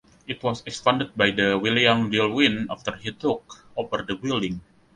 It was expanded by the William Dillwyn after he took over the building.